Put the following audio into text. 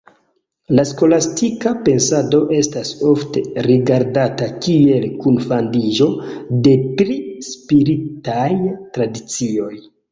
La skolastika pensado estas ofte rigardata kiel kunfandiĝo de tri spiritaj tradicioj.